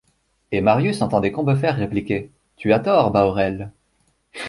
Et Marius entendait Combeferre répliquer: — Tu as tort, Bahorel.